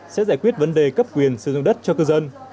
sẽ giải quyết vấn đề cấp quyền sử dụng đất cho cư dân